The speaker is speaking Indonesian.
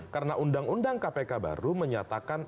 karena undang undang kpk baru menyatakan